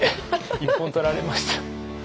一本取られました。